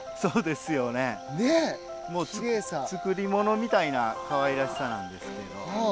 作り物みたいなかわいらしさなんですけど。